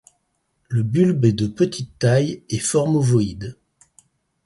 Le bulbe est de petite taille et forme ovoïde.